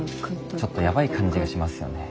ちょっとヤバい感じがしますよねぇ。